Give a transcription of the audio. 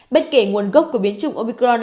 bất kể nguồn gốc của biến chủng omicron